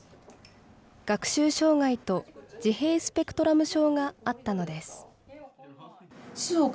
学習障害と自閉スペクトラム症があったのです。